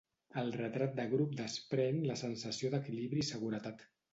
El retrat de grup desprèn la sensació d'equilibri i seguretat.